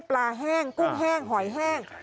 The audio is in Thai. แห้งกุ้งแห้งหอยแห้ง